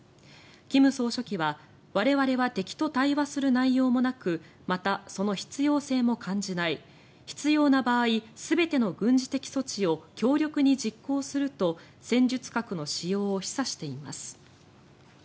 金総書記は我々は敵と対話する内容もなくまた、その必要性も感じない必要な場合全ての軍事的措置を強力に実行すると戦術核の使用を示唆しています。